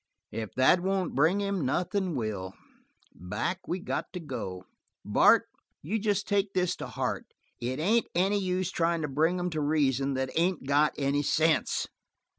"If that won't bring him, nothin' will. Back we got to go. Bart, you jest take this to heart: It ain't any use tryin' to bring them to reason that ain't got any sense."